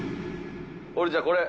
俺じゃこれ。